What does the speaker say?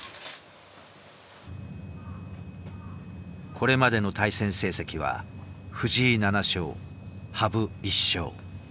これまでの対戦成績は藤井７勝羽生１勝。